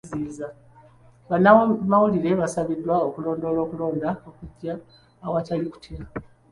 Bannamawulire basabiddwa okulondoola okulonda okujja awatali kutya.